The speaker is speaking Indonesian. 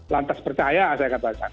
lantas percaya saya katakan